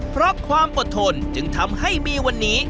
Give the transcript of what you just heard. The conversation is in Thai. เพราะความอดทนจึงทำให้มีวันนี้